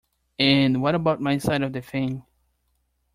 And what about my side of the thing?